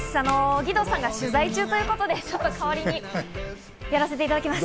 義堂さんが取材中ということで、ちょっと代わりにやらせていただきます。